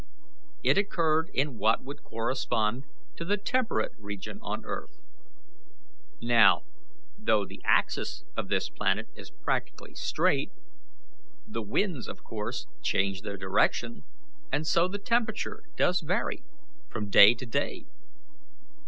It occurred in what would correspond to the temperate region on earth. Now, though the axis of this planet is practically straight, the winds of course change their direction, and so the temperature does vary from day to day.